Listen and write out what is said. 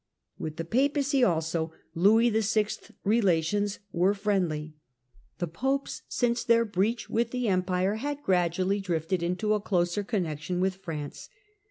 With the Papacy, also, Louis VI.'s relations were friendly. The Popes, since their breach with the Empire, had gradually drifted into a closer connexion with France.